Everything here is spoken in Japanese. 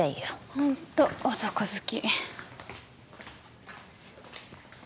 ホント男好き